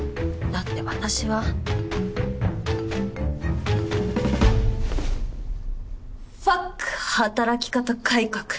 だって私はファック働き方改革。